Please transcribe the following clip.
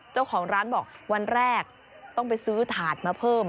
เจ้าของร้านบอกวันแรกต้องไปซื้อถาดมาเพิ่ม